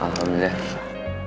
warga udah mulai percaya sama kamu